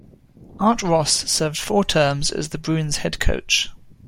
Art Ross served four terms as the Bruins head coach.